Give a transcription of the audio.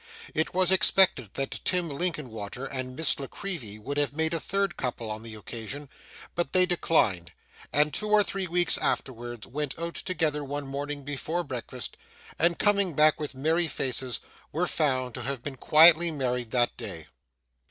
It was expected that Tim Linkinwater and Miss La Creevy would have made a third couple on the occasion, but they declined, and two or three weeks afterwards went out together one morning before breakfast, and, coming back with merry faces, were found to have been quietly married that day.